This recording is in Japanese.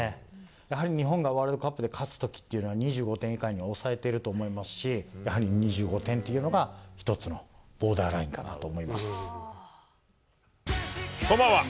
やはり日本がワールドカップで勝つときっていうのは、２５点以下に抑えてると思いますし、やはり２５点というのが一つこんばんは。